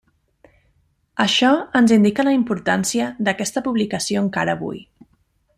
Això ens indica la importància d'aquesta publicació encara avui.